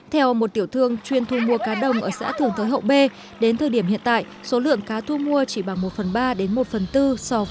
theo một tiểu thương chuyên thu mua cá đồng ở xã thường thới hậu bê đến thời điểm hiện tại số lượng cá thu mua chỉ bằng một phần ba đến một phần bốn so với cùng kỳ năm trước